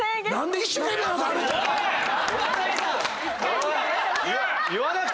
おい！